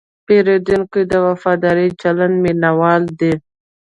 پیرودونکی د وفادار چلند مینهوال دی.